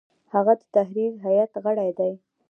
هغه د تحریریه هیئت غړی دی.